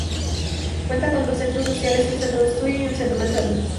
Cuenta con dos Centros Sociales, un Centro de Estudio y un Centro de Salud.